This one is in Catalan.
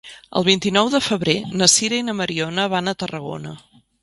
El vint-i-nou de febrer na Sira i na Mariona van a Tarragona.